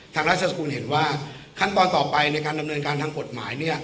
ราชสกุลเห็นว่าขั้นตอนต่อไปในการดำเนินการทางกฎหมายเนี่ย